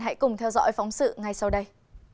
hãy cùng theo dõi phóng sự ngay sau đây